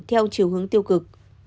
theo chiều hướng tiêu cực